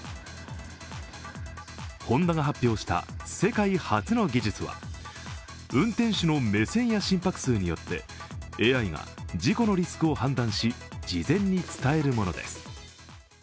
ホンダが発表した世界初の技術は運転手の目線や心拍数によってＡＩが事故のリスクを判断し事前に伝えるものです。